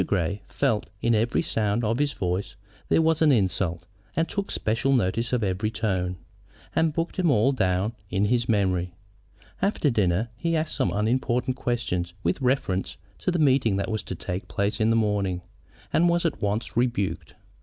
Grey felt that in every sound of his voice there was an insult, and took special notice of every tone, and booked them all down in his memory. After dinner he asked some unimportant question with reference to the meeting that was to take place in the morning, and was at once rebuked.